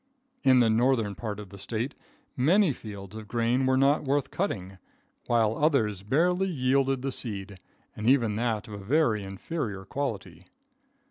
In the northern part of the State many fields of grain were not worth cutting, while others barely yielded the seed, and even that of a very inferior quality.